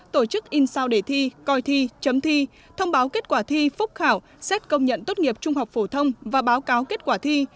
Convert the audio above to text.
tổ chức in sao để thi coi thi chấm thi thông báo kết quả thi phúc khảo xét công nhận tốt nghiệp trung học phổ thông và báo cáo kết quả thi